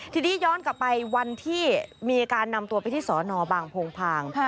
ทีนี้ย้อนกลับไปวันที่มีการนำตัวไปที่สอนอบางโพงพาง